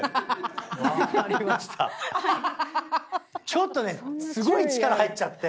ちょっとねすごい力入っちゃって。